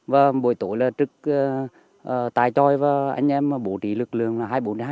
và buổi tối là trực tại tròi và anh em bố trí lực lượng là hai mươi bốn hai mươi bốn